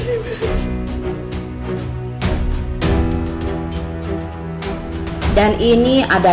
ini tampil aja